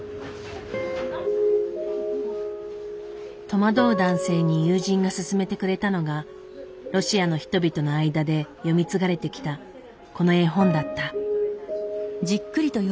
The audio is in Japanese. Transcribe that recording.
戸惑う男性に友人が薦めてくれたのがロシアの人々の間で読み継がれてきたこの絵本だった。